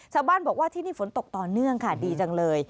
ชาวบ้านบอกว่าที่นี่ฝนตกต่อเนื่องค่ะดีจังเลย